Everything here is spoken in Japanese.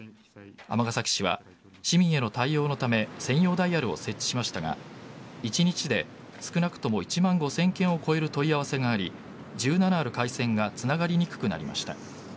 尼崎市は、市民への対応のため専用ダイヤルを設置しましたが１日で少なくとも１万５０００件を超える問い合わせがあり１７ある回線がつながりにくくなりました。